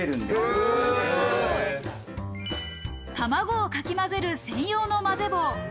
卵をかき混ぜる専用の混ぜ棒。